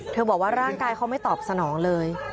บอกว่าร่างกายเขาไม่ตอบสนองเลย